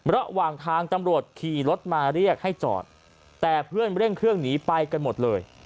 ระหว่างทางตำรวจขี่รถมาเรียกให้จอดแต่เพื่อนเร่งเครื่องหนีไปกันหมดเลย